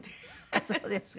あっそうですか。